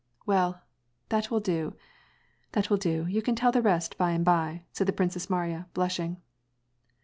" Well, that will do, that will do ; you can tell the rest by and by," said the Princess Mariya, blushing.